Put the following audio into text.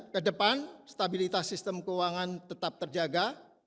ke depan stabilitas sistem keuangan tetap terjaga